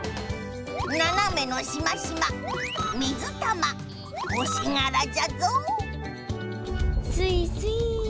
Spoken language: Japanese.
ななめのしましま水玉星がらじゃぞすいすい。